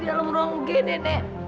di dalam ruang ug nenek